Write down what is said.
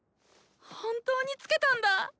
本当につけたんだ！